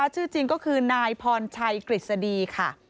ชื่อจริงก็คือนายพรชัยกฤษฎีค่ะ